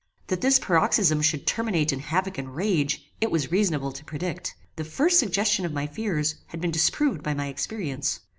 That this paroxysm should terminate in havock and rage it was reasonable to predict. The first suggestion of my fears had been disproved by my experience.